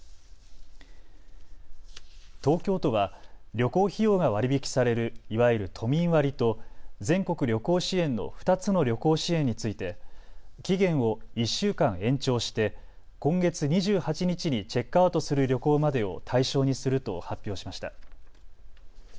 東京都は旅行費用が割り引きされるいわゆる都民割と全国旅行支援の２つの旅行支援について期限を１週間延長して今月２８日にチェックアウトする旅行までを対象にすると発表しました。